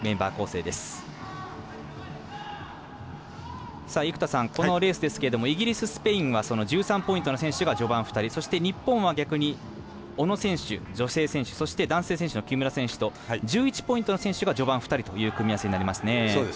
生田さん、このレースですけどもイギリス、スペインは１３ポイントの選手が序盤２人そして日本は逆に小野選手、女性選手そして男性選手の木村選手と１１ポイントの選手が序盤２人という組み合わせになりますね。